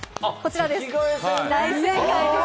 大正解です！